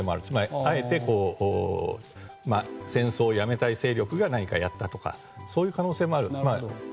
つまり、あえて戦争をやめたい勢力が何かやったとかそういう可能性もあります。